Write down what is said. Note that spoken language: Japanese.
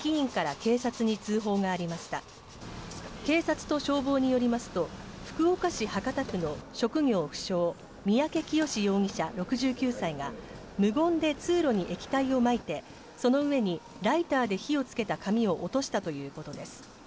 警察と消防によりますと、福岡市博多区の職業不詳、三宅潔容疑者６９歳が、無言で通路に液体をまいて、その上にライターで火をつけた紙を落としたということです。